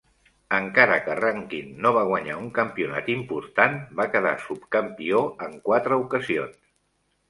Encara que Rankin no va guanyar un campionat important, va quedar subcampió en quatre ocasions.